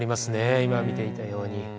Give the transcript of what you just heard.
今見ていたように。